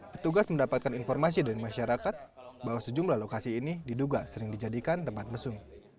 petugas mendapatkan informasi dari masyarakat bahwa sejumlah lokasi ini diduga sering dijadikan tempat mesum